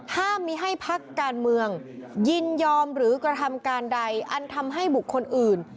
ห้ามมีให้พักการเมืองยินยอมหรือกระทำการใดอันทำให้บุคคลอื่น